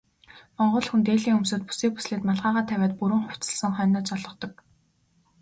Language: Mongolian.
Монгол хүн дээлээ өмсөөд, бүсээ бүслээд малгайгаа тавиад бүрэн хувцасласан хойноо золгодог.